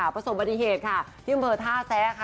ประสบปฏิเหตุที่กำเภอท่าแทรก